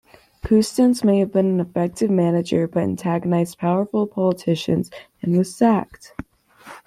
Custance may have been an effective manager but antagonized powerful politicians, and was sacked.